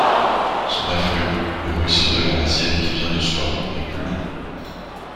Son affluent, le ruisseau de la Hazienne qui vient de Soiron est plus long.